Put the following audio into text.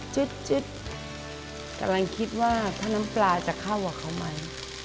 จึ๊ดจึ๊ดกำลังคิดว่าถ้าน้ำปลาจะเข้าออกเข้ามา